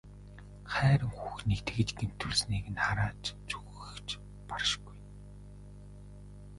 Хайран хүүхнийг тэгж гэмтүүлснийг харааж зүхэвч баршгүй.